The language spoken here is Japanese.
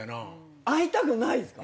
会いたくないっすか？